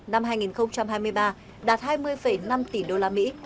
năm hai nghìn hai mươi ba đạt hai mươi năm tỷ usd